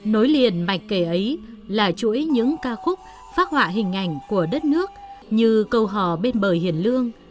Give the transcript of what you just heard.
nối liền mạch kể ấy là chuỗi những ca khúc phát họa hình ảnh của đất nước như câu hò bên bờ hiền lương